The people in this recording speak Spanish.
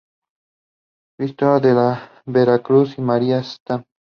Cristo de la Vera-Cruz y María Stma.